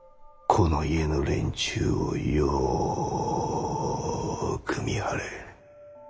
この家の連中をよく見張れ。